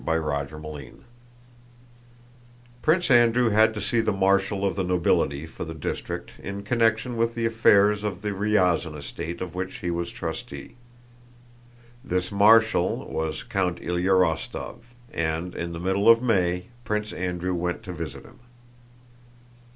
CHAPTER II Prince Andrew had to see the Marshal of the Nobility for the district in connection with the affairs of the Ryazán estate of which he was trustee. This Marshal was Count Ilyá Rostóv, and in the middle of May Prince Andrew went to visit him.